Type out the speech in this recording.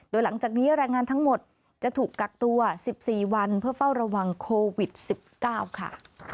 โดยหลังจากนี้แรงงานทั้งหมดจะถูกกักตัว๑๔วันเพื่อเฝ้าระวังโควิด๑๙ค่ะ